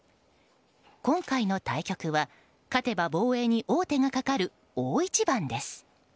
今回の対局は、勝てば防衛に王手がかかる大一番です。